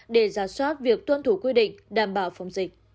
để giả soát việc tuân thủ quy định đảm bảo phòng dịch